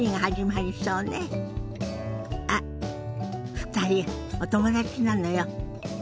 あっ２人お友達なのよ。